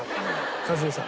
「一茂さん